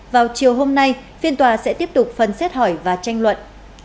vào chiều hôm nay phiên tòa sẽ tiếp tục phần xét hỏi và tranh luận